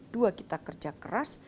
dua kita kerja keras